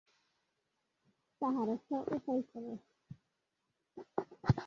তাহার একটা উপায় কর।